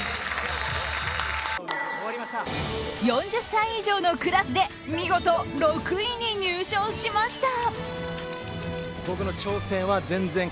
４０歳以上のクラスで見事、６位に入賞しました。